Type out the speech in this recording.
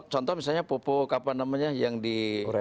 contoh misalnya pupuk apa namanya yang di